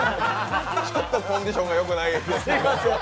ちょっとコンディションがよくないようですみません。